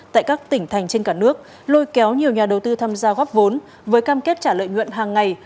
tại các tỉnh thành trên cả nước lôi kéo nhiều nhà đầu tư tham gia góp vốn với cam kết trả lợi nhuận hàng ngày